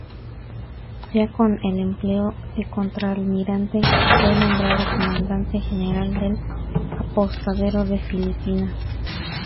Ya con el empleo de Contralmirante, fue nombrado Comandante General del Apostadero de Filipinas.